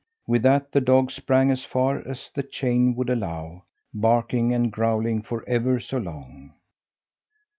With that the dog sprang as far as the chain would allow, barking and growling for ever so long.